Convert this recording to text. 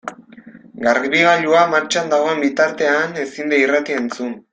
Garbigailua martxan dagoen bitartean ezin da irratia entzun.